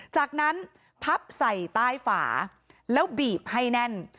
จากนั้นพับใส่ใต้ฝาแล้วบีบให้แน่น